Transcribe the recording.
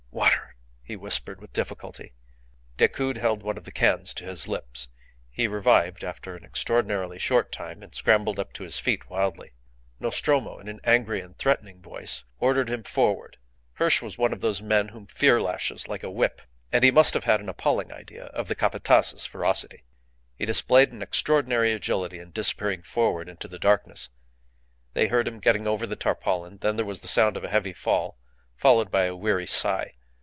"Water," he whispered, with difficulty. Decoud held one of the cans to his lips. He revived after an extraordinarily short time, and scrambled up to his feet wildly. Nostromo, in an angry and threatening voice, ordered him forward. Hirsch was one of those men whom fear lashes like a whip, and he must have had an appalling idea of the Capataz's ferocity. He displayed an extraordinary agility in disappearing forward into the darkness. They heard him getting over the tarpaulin; then there was the sound of a heavy fall, followed by a weary sigh.